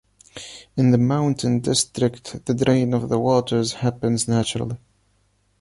In the mountain district the drain of the waters happens naturally.